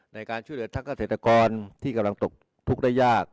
ในการช่วยเหลือทั้งเกษตรกรที่กำลังตกทุกข์ได้ยาก